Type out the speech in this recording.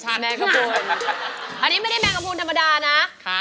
อันนี้ไม่ได้แมงกระพูนธรรมดานะ